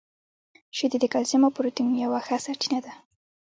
• شیدې د کلسیم او پروټین یوه ښه سرچینه ده.